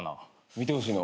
見てほしいの？